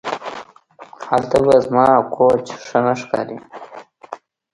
هلته به زما کوچ ښه نه ښکاري